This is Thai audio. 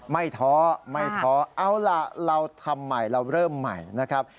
ท้อไม่ท้อเอาล่ะเราทำใหม่เราเริ่มใหม่นะครับ